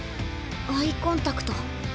アイコンタクト。